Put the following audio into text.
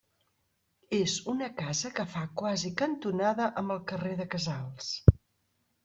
És una casa que fa quasi cantonada amb el carrer de Casals.